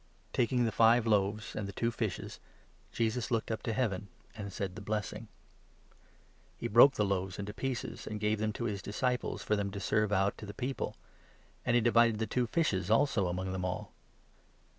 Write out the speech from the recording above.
Taking the five 41 loaves and the two fishes, Jesus looked up to Heaven, and said the blessing ; he broke the loaves into pieces, and gave them to his disciples for them to serve out to the people, and he divided the two fishes also among them all.